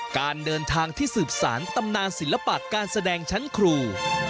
การเดินทางที่สืบสารตำนานศิลปะการแสดงชั้นครู